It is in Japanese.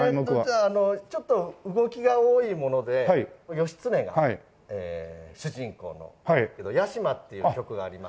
じゃああのちょっと動きが多いもので義経が主人公の『屋島』っていう曲があります。